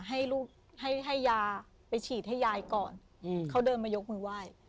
ให้ลูกให้ให้ยาไปฉีดให้ยายก่อนเขาเดินมายกมือไหว้